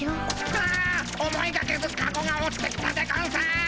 あ思いがけずカゴが落ちてきたでゴンス。